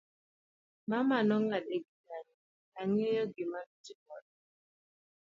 mama nong'ade gi kanyo, ang'eyo gima notimore